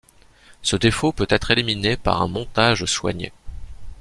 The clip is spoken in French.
Ce défaut peut être éliminé par un montage soigné.